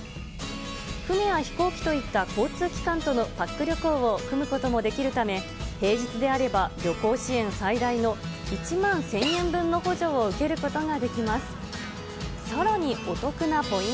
船や飛行機といった交通機関とのパック旅行を組むこともできるため、平日であれば旅行支援最大の１万１０００円分の補助を受けることができます。